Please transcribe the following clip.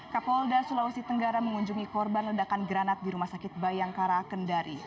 kapolda sulawesi tenggara mengunjungi korban ledakan granat di rumah sakit bayangkara kendari